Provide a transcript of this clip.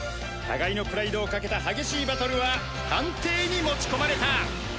互いのプライドをかけた激しいバトルは判定に持ち込まれた。